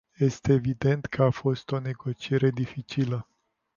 Este evident că a fost o negociere dificilă.